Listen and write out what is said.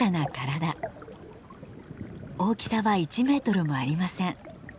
大きさは１メートルもありません。